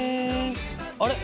あれ？